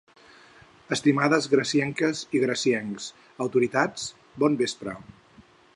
Estimades gracienques i graciencs, autoritats, bon vespre!